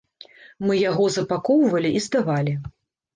Мы яго запакоўвалі і здавалі.